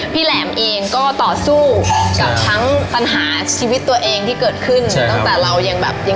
แหลมเองก็ต่อสู้กับทั้งปัญหาชีวิตตัวเองที่เกิดขึ้นตั้งแต่เรายังแบบ